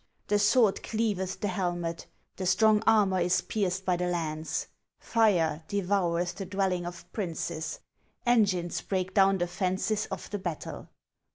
The sword cleaveth the helmet ; The strong armor is pierced by the lance ; Fir.' devoureth the dwelling of princes ; Engines break down the fences of the battle.